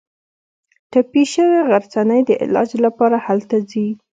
ټپي شوې غرڅنۍ د علاج لپاره هلته ځي.